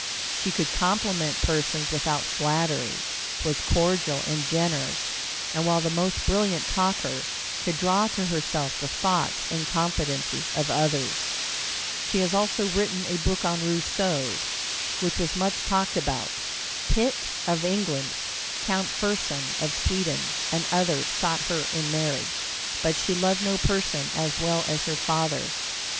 She could compliment persons without flattery, was cordial and generous, and while the most brilliant talker, could draw to herself the thoughts and confidences of others. She had also written a book on Rousseau, which was much talked about. Pitt, of England, Count Fersen, of Sweden, and others, sought her in marriage, but she loved no person as well as her father.